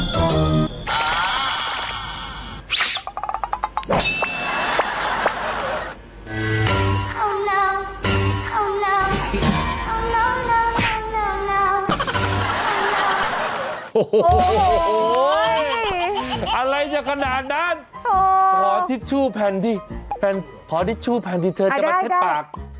พอทิชชูแผ่นที่แผ่นพอทิชชูแผ่นที่เธอจะมาเช็ดปากได้